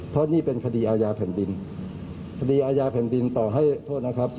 เพราะนี่เป็นคดีอาญาแผ่นดินคดีอาญาแผ่นดินต่อให้โทษนะครับ